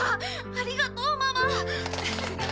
ありがとうママ。